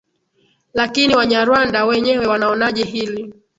lakini wanyarwanda wenyewe wanaonaje hili